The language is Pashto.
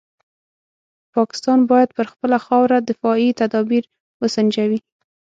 پاکستان باید پر خپله خاوره دفاعي تدابیر وسنجوي.